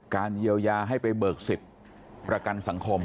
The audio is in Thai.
เยียวยาให้ไปเบิกสิทธิ์ประกันสังคม